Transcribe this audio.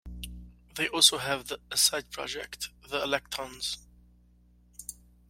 They also have a side-project The Electones.